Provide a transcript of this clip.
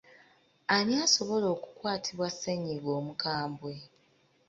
Ani asobola okukwatibwa ssennyiga omukambwe?